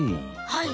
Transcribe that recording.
はい。